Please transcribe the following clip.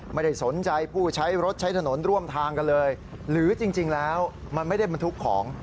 ไม่ได้สนใจผู้ใช้รถใช้ถนนร่วมทางกันเลยหรือจริงแล้วมันไม่ได้บรรทุกของ